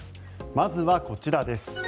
まずはこちらです。